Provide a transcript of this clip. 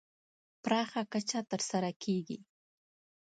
پراخه کچه تر سره کېږي.